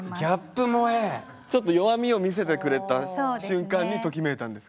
ちょっと弱みを見せてくれた瞬間にときめいたんですか。